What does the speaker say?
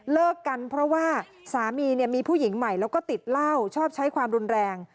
เลิกกันเพราะว่าสามีมีผู้หญิงใหม่แล้วก็ติดเหล้าชอบใช้ความรุนแรง